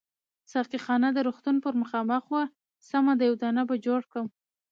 ساقي خانه د روغتون پر مخامخ وه، سمه ده یو دانه به جوړ کړم.